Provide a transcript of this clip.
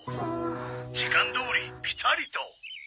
「時間どおりピタリと」